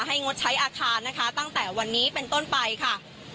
งดใช้อาคารนะคะตั้งแต่วันนี้เป็นต้นไปค่ะ